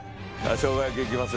しょうが焼きいきます？